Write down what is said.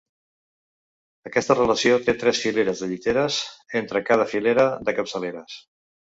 Aquesta relació té tres fileres de lliteres entre cada filera de capçaleres.